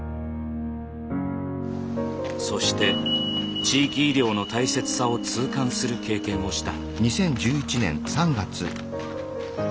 そして地域医療の大切さを痛感する経験をした。